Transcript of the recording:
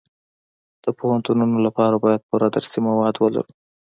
د پوهنتونونو لپاره باید پوره درسي مواد ولرو